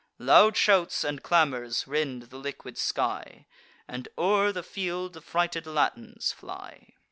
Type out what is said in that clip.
Loud shouts and clamours rend the liquid sky, And o'er the field the frighted Latins fly.